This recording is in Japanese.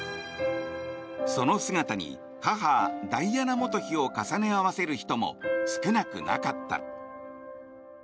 その姿に母ダイアナ元妃を重ね合わせる人も少なくなかった。